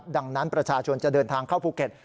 ดังนั้นประชาชนจะเดินทางเข้าภูเก็ต